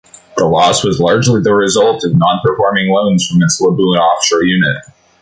The loss was largely the result of non-performing loans from its Labuan offshore unit.